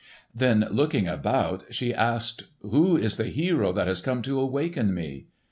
Then looking about she asked, "Who is the hero that has come to waken me?"